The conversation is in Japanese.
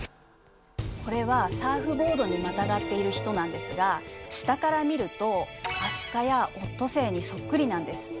これはサーフボードにまたがっている人なんですが下から見るとアシカやオットセイにそっくりなんです。